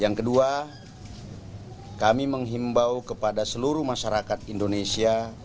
yang kedua kami menghimbau kepada seluruh masyarakat indonesia